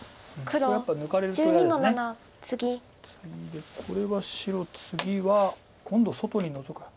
ツイでこれは白次は今度外にノゾかれ。